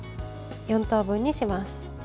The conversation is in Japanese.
４等分にします。